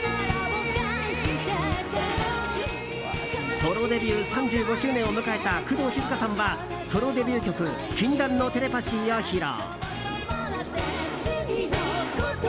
ソロデビュー３５周年を迎えた工藤静香さんはソロデビュー曲「禁断のテレパシー」を披露。